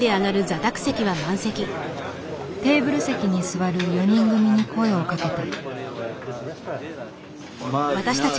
テーブル席に座る４人組に声をかけた。